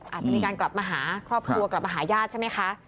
อาจจะมีการกลับมาหาครอบครัวกลับมาหาญาติใช่ไหมคะ